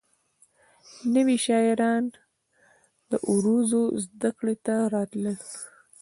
نوي شاعران د عروضو زدکړې ته راتلل.